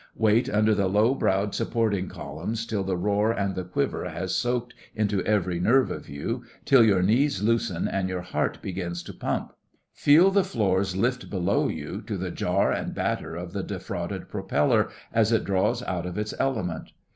Wait under the low browed supporting columns till the roar and the quiver has soaked into every nerve of you; till your knees loosen and your heart begins to pump. Feel the floors lift below you to the jar and batter of the defrauded propeller as it draws out of its element.